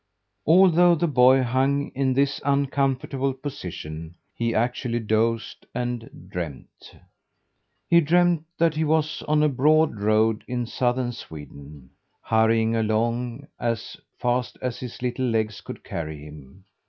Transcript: Although the boy hung in this uncomfortable position, he actually dozed and dreamed. He dreamed that he was on a broad road in southern Sweden, hurrying along as fast as his little legs could carry him.